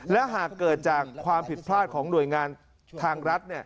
และหากเกิดจากความผิดพลาดของหน่วยงานทางรัฐ